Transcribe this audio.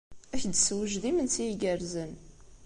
Ad ak-d-tessewjed imensi igerrzen.